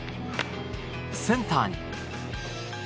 センターに。